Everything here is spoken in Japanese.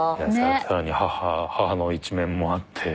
更に母の一面もあって。